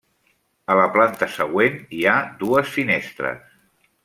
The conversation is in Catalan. A la planta següent hi ha dues finestres.